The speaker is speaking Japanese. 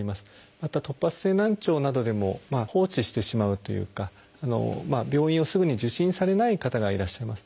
また突発性難聴などでも放置してしまうというか病院をすぐに受診されない方がいらっしゃいます。